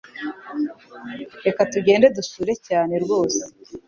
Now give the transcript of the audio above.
Reka tugende dusure cyane rwose